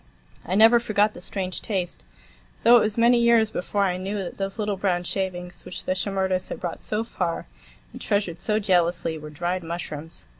I never forgot the strange taste; though it was many years before I knew that those little brown shavings, which the Shimerdas had brought so far and treasured so jealously, were dried mushrooms.